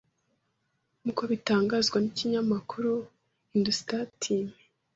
Nk’uko bitangazwa n’ikinyamakuru Hindustantime,